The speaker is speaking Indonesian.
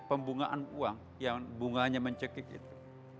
pembungaan uang yang bunganya mencekik itu